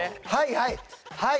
はいはい！